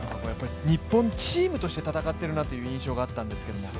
日本チームとして戦っているなという印象があったんですけれども。